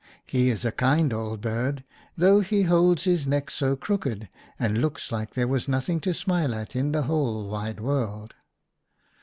He is a kind old bird, though he holds his neck so crooked and looks like there was nothing to smile at in the whole wide world.